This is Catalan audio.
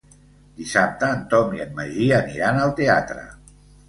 Dissabte en Tom i en Magí aniran al teatre.